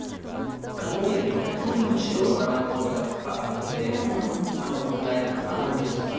カモミールみたいに白いお花の香りがぶわっと来て香りの華やかさと甘みですよね。